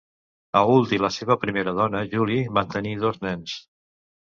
Ault i la seva primera dona Julie van tenir dos nens.